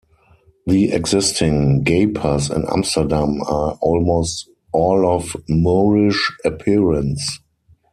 The existing gapers in Amsterdam are almost all of Moorish appearance.